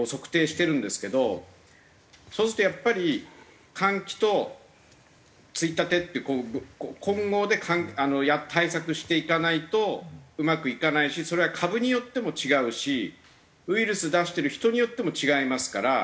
そうするとやっぱり換気とついたてって混合で対策していかないとうまくいかないしそれは株によっても違うしウイルス出してる人によっても違いますから。